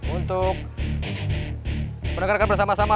untuk mendengarkan bersama sama